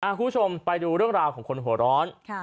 คุณผู้ชมไปดูเรื่องราวของคนหัวร้อน